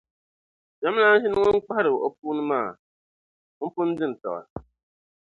Biɛmlana ʒi ni ŋun kpahiri o pooni maa ŋun pun di n-tiɣi.